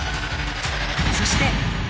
そして。